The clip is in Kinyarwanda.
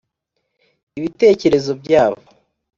ibitekerezo byabo